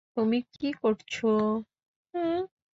তুমি কি করছো?